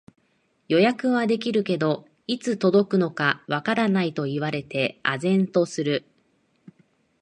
予約はできるけど、いつ届くのかわからないと言われて呆然とする